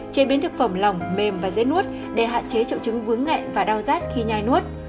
chế biến thực phẩm lỏng mềm và dễ nuốt để hạn chế triệu chứng vướng nghẹn và đau rát khi nhai nuốt